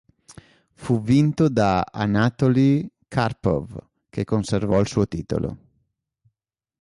Fu vinto da Anatolij Karpov, che conservò il suo titolo.